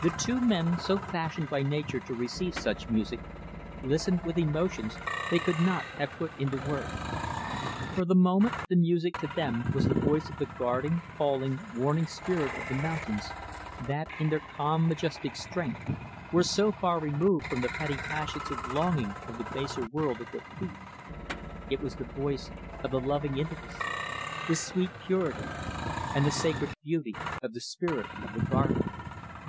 The two men, so fashioned by nature to receive such music, listened with emotions they could not have put into words. For the moment, the music to them was the voice of the guarding, calling, warning spirit of the mountains that, in their calm, majestic strength, were so far removed from the petty passions and longings of the baser world at their feet it was the voice of the loving intimacy, the sweet purity, and the sacred beauty of the spirit of the garden.